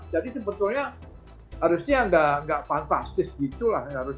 jadi sebetulnya harusnya nggak fantastis gitu lah